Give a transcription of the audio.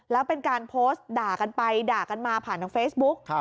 แล้วเป็นการโพสต์ด่ากันไปด่ากันมาผ่านทางเฟซบุ๊ก